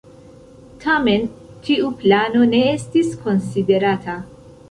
Tamen tiu plano ne estis konsiderata.